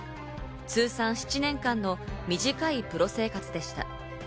通算７年間の短いプロ生活でした。